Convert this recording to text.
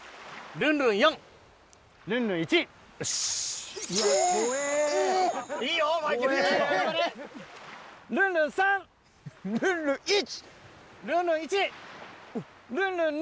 ルンルン２。